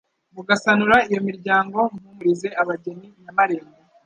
Mugasanura iyo miryango. Mpumurize abageni Nyamarembo,